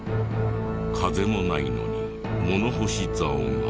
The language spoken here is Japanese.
風もないのに物干し竿が。